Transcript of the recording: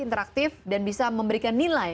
interaktif dan bisa memberikan nilai